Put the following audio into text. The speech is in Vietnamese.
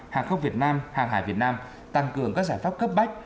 hàng không việt nam hàng hải việt nam tăng cường các giải pháp cấp bách